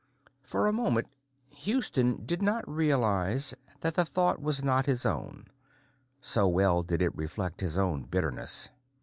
_ For a moment, Houston did not realize that the thought was not his own, so well did it reflect his own bitterness.